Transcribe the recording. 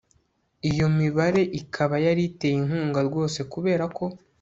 iyo mibare ikaba yari iteye inkunga rwose kubera ko